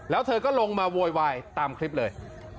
แล้วเธอก็ลงมาโวยวายตามคลิปเลย